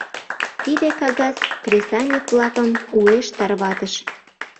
Тиде кагаз кресаньык-влакым уэш тарватыш.